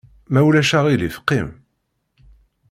Ma ulac aɣilif qim!